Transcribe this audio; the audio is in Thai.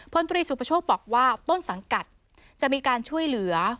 พนตรีสุพชกธวัฒน์บอกว่าต้นสังกัดจะมีการช่วยเหลือ